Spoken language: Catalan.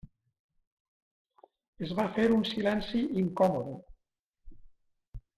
Es va fer un silenci incòmode.